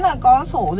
em không phải lo nhé